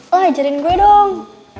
lo ajarin gue dong